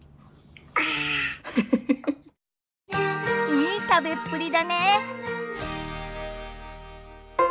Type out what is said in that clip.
いい食べっぷりだね。